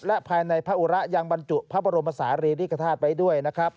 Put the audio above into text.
และภายในพระอุระยังบรรจุพระบรมศาลีริกฐาตุไว้ด้วยนะครับ